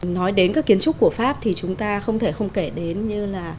nói đến các kiến trúc của pháp thì chúng ta không thể không kể đến như là